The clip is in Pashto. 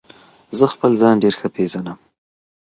زه خپل ځان ډیر ښه پیژنم.